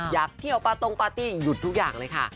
อยากเที่ยวปาตรงปาร์ตี้หยุดทุกอย่างเลยค่ะ